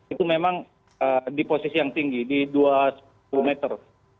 itu memang di posisi yang tinggi di dua sepuluh meter